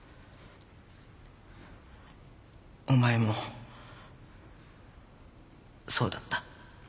お前もそうだった。